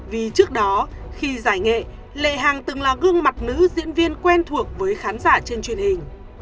vì trước đó khi giải nghệ lệ hàng từng là gương mặt nữ diễn viên quen thuộc với khán giả trên truyền hình